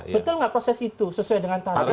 betul nggak proses itu sesuai dengan target